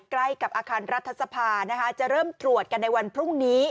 ใกล้กับอาคารรัฐสภานะคะจะเริ่มตรวจกันในวันพรุ่งนี้